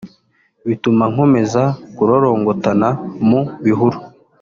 bituma nkomeza kurorongotana mu bihuru”